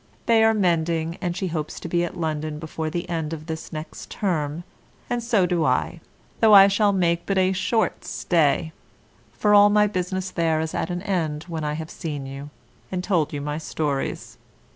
They are mending, and she hopes to be at London before the end of this next term; and so do I, though I shall make but a short stay, for all my business there is at an end when I have seen you, and told you my stories.